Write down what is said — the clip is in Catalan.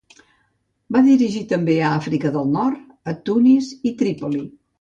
Va dirigir també a l'Àfrica del Nord, a Tunis i Trípoli.